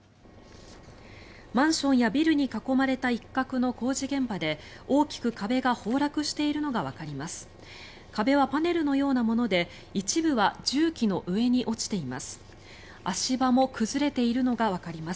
マンションやビルに囲まれた一角の工事現場で大きく壁が崩落しているのがわかります。